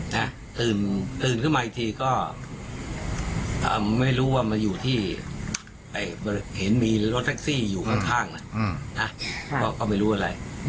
ตื่นขึ้นมาอีกทีก็ไม่รู้ว่ามาอยู่ที่เห็นมีรถแท็กซี่อยู่ข้างนะก็ไม่รู้อะไร